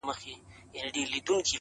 زړه تا دا كيسه شــــــــــروع كــړه ـ